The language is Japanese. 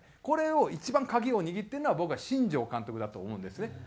これを一番鍵を握ってるのが僕は新庄監督だと思うんですね。